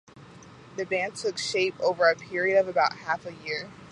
The band took shape over a period of about half a year.